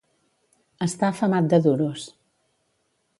Estar femat de duros.